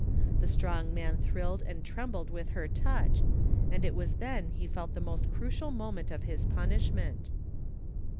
The strong man thrilled and trembled with her touch and it was then he felt the most crucial moment of his ptmishment.